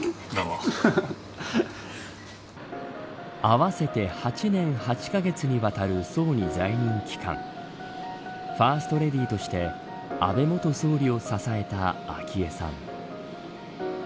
合わせて８年８カ月にわたる総理在任期間ファーストレディーとして安倍元総理を支えた昭恵さん。